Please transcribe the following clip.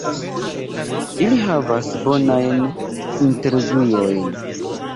Ili havas bonajn intervjuojn.